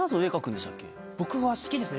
僕は好きですね